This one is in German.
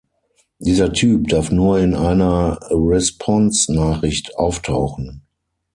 Dieser Typ darf nur in einer Response-Nachricht auftauchen.